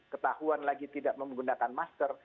ketahuan lagi tidak menggunakan masker